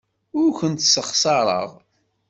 Ur kent-ssexṣareɣ.